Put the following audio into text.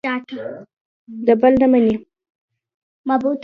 د بل نه مني.